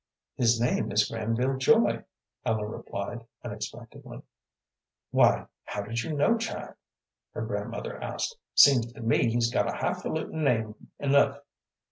"His name is Granville Joy," Ellen replied, unexpectedly. "Why, how did you know, child?" her grandmother asked. "Seems to me he's got a highfalutin' name enough.